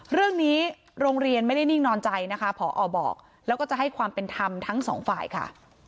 โรงเรียนไม่ได้นิ่งนอนใจนะคะผอบอกแล้วก็จะให้ความเป็นธรรมทั้งสองฝ่ายค่ะ